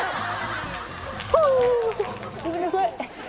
ほー、ごめんなさい。